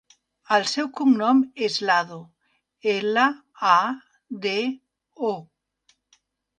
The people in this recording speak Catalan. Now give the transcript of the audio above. El seu cognom és Lado: ela, a, de, o.